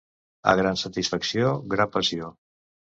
A gran satisfacció, gran passió.